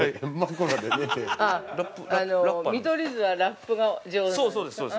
◆そうです。